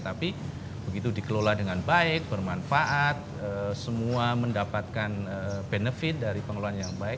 tapi begitu dikelola dengan baik bermanfaat semua mendapatkan benefit dari pengelolaan yang baik